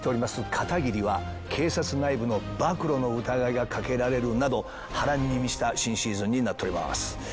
片桐は警察内部の暴露の疑いがかけられるなど波乱に満ちた新シーズンになっております。